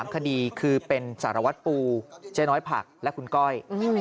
คดีคือเป็นสารวัตรปูเจ๊น้อยผักและคุณก้อย